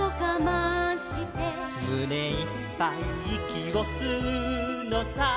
「むねいっぱいいきをすうのさ」